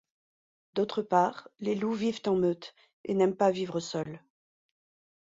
D'autre part, les loups vivent en meute et n'aiment pas vivre seuls.